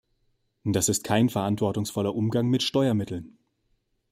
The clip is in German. Das ist kein verantwortungsvoller Umgang mit Steuermitteln.